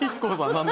何で？